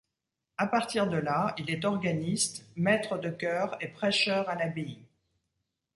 À partir de là, il est organiste, maître de chœur et prêcheur à l'abbaye.